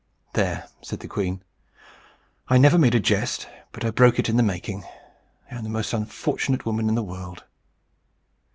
"There!" said the queen, "I never made a jest, but I broke it in the making. I am the most unfortunate woman in the world!"